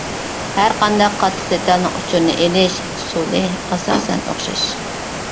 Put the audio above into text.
ھەر قانداق قاتتىق دېتالنىڭ ئۇچۇرىنى ئېلىش ئۇسۇلى ئاساسەن ئوخشاش.